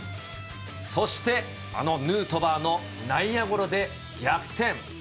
そして、あのヌートバーの内野ゴロで逆転。